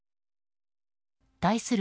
対する